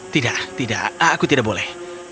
tidak tidak aku tidak boleh